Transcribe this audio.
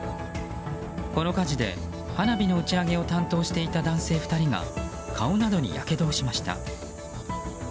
この火事で花火の打ち上げを担当していた男性２人が顔などにやけどをしました。